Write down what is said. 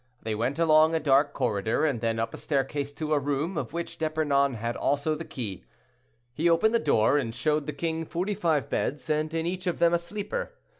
They went along a dark corridor, and then up a staircase to a room, of which D'Epernon had also the key. He opened the door, and showed the king forty five beds, and in each of them a sleeper.